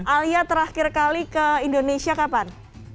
alia terakhir kali ke indonesia kapan